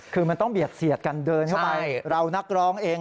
คือมันต้องเบียดเสียดกันเดินเข้าไปเรานักร้องเอง